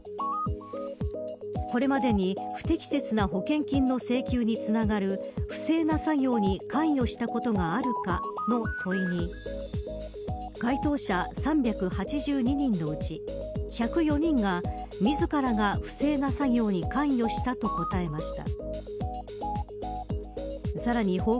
これまでに不適切な保険金の請求につながる不正な作業に関与したことがあるかの問いに回答者３８２人のうち１０４人が自らが不正な作業に関与したと答えました。